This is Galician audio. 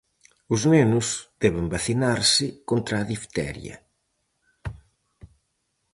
Os nenos deben vacinarse contra a difteria.